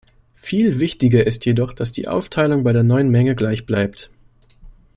Viel wichtiger ist jedoch, dass die Aufteilung bei der neuen Menge gleichbleibt.